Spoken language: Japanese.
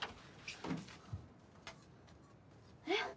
えっ？